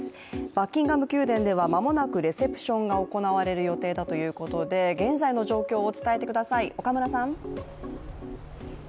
バッキンガム宮殿は間もなくレセプションが行われるということで、現在の状況を伝えてください、岡村さん。